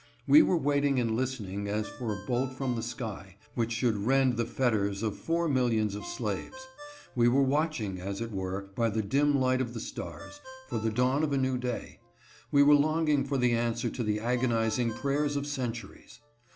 We were waiting and listening as for a bolt from the sky, which should rend the fetters of four millions of slaves ; We were watching, as it were, by the dim light of the stars, for the dawn of a new day ; we were longing for the answer to the agonizing prayers of centuries.